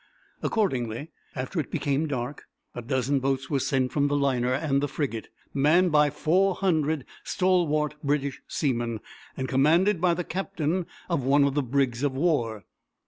Accordingly, after it became dark, a dozen boats were sent from the liner and the frigate, manned by four hundred stalwart British seamen, and commanded by the captain of one of the brigs of war.